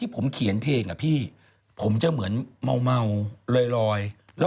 เพลงนี้ค่ะนะ